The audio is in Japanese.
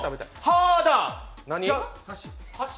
「は」だ！